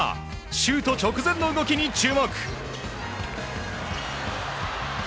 シュート直前の動きに注目。